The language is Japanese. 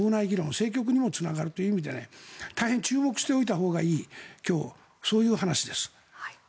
政局にもつながるという意味で大変注目しておいたほうがいい今日、そういう話です。